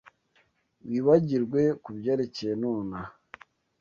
Wibagirwe kubyerekeye nonaha.